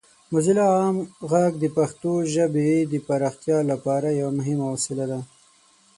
موزیلا عام غږ د پښتو ژبې د پراختیا لپاره یوه مهمه وسیله ده.